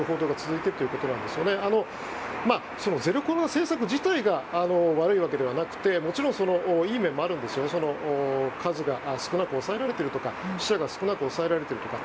政策自体が悪いわけではなくていい面もあるんですがその数が少なく抑えられているとか死者が少なく抑えられてるとか。